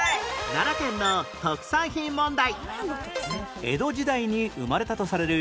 奈良県の特産品問題